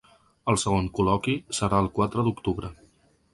El segon col·loqui serà el quatre d’octubre.